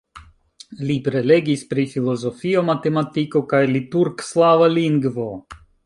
Li prelegis pri filozofio, matematiko kaj liturg-slava lingvo.